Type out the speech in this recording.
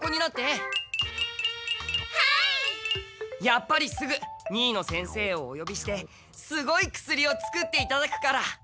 やっぱりすぐ新野先生をおよびしてすごい薬を作っていただくから。